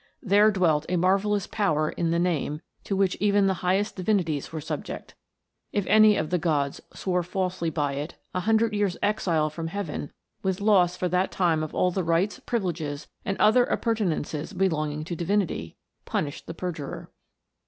There dwelt a marvellous power in the name, to which even the highest divinities were subject. If any of the gods swore falsely by it, a hundred years' exile from heaven, with loss for that time of all the rights, privileges, and other appurtenances belonging to divinity, punished the perjurer.